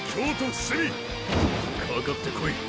かかってこい。